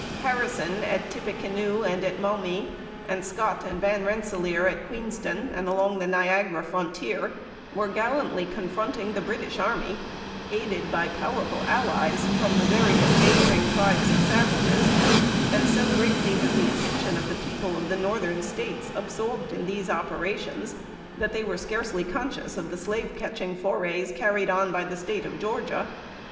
Harrison at Tippecanoe, and at Maumee; and Scott and Van Rensselaer at Queenston, and along the Niagara frontier, were gallantly confronting the British army, aided by powerful allies from the various neighboring tribes of savages; and so greatly was the attention of the people of the Northern States absorbed in these operations, that they were scarcely conscious of the slave catching forays carried on by the State of Georgia.